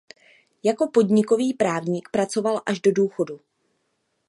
Jako podnikový právník pracoval až do důchodu.